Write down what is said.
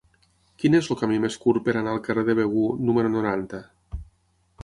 Quin és el camí més curt per anar al carrer de Begur número noranta?